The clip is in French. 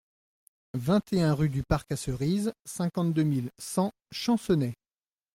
vingt et un rue du Parc À Cerises, cinquante-deux mille cent Chancenay